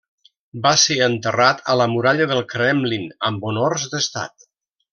Va ser enterrat a la muralla del Kremlin amb honors d'Estat.